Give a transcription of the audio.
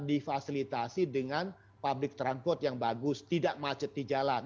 difasilitasi dengan public transport yang bagus tidak macet di jalan